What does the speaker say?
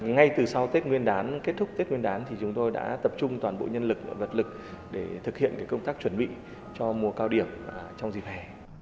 ngay từ sau tết nguyên đán kết thúc tết nguyên đán chúng tôi đã tập trung toàn bộ nhân lực vật lực để thực hiện công tác chuẩn bị cho mùa cao điểm trong dịp hè